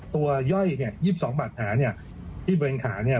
ตัวย่อย๒๒บัตรขาเนี่ยที่เบนขาเนี่ย